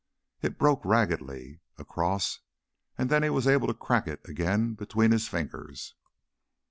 It broke raggedly across, and then he was able to crack it again between his fingers.